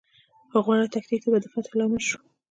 خو غوره تکتیک به د فتحې لامل شو.